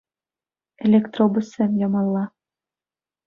Электробуссем ямалла.